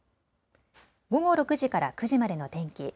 午後６時から９時までの天気。